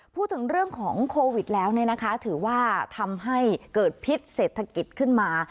พูดถึงเรื่องของโควิดแล้วถือว่าทำให้เกิดพิษเศรษฐกิจขึ้นมา